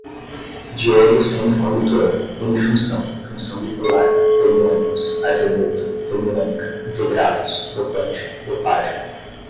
diodo semicondutor, unijunção, junção bipolar, termiônicos, arseneto, termiônica, integrados, dopante, dopagem